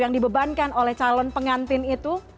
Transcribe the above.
yang dibebankan oleh calon pengantin itu